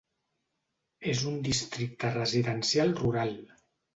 És un districte residencial rural.